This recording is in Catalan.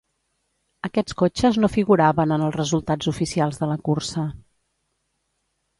Aquests cotxes no figuraven en els resultats oficials de la cursa.